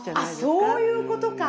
あそういうことか。